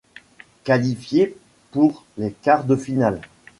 Qualifiés pour les quarts de finale.